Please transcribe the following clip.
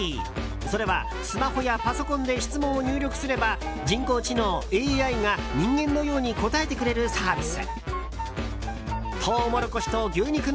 それは、スマホやパソコンで質問を入力すれば人工知能・ＡＩが、人間のように答えてくれるサービス。